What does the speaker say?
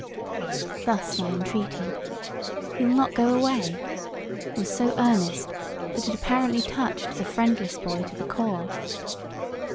Thus, my entreaty, "You'll not go away?" was so earnest, that it apparently touched the friendless boy to the core.